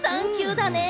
だね！